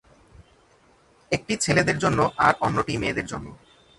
একটি ছেলেদের জন্য আর অন্যটি মেয়েদের জন্য।